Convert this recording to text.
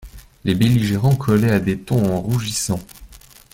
Les belligérants collaient à des thons en rougissant.